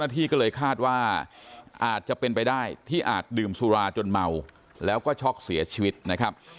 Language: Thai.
ที่ก็เลยคาดว่าอาจจะเป็นไปได้ที่อาจดื่มสุราจนเมาแล้วก็ช็อกเสียชีวิตนะครับ